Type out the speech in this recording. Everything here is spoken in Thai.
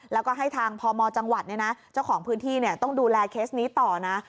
แล้วก็ให้ทางพมจังหวัดเจ้าของพื้นที่ต้องดูแลเคสนี้ต่อนะ